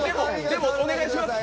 でもお願いします。